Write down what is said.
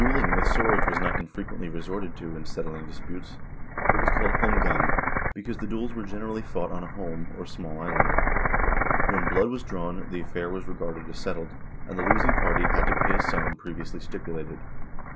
SOCIAL ORGANIZATION 115 Dueling with swords was not infrequently resorted to in settling disputes. It was called holmgang, because the duels were generally fought on a holm, or small island. When blood was drawn, the affair was regarded as settled, and the losing party had to pay a sum pre viously stipulated.